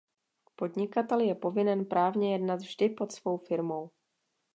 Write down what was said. Podnikatel je povinen právně jednat vždy pod svou firmou.